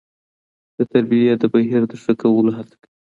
د تربيې د بهیر د ښه کولو هڅه کوي.